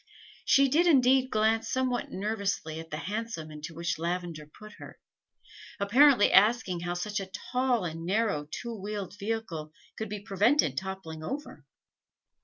She did indeed glance somewhat nervously at the hansom into which Lavender put her, apparently asking how such a tall and narrow two wheeled vehicle could be prevented toppling over.